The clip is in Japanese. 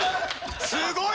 ・すごい！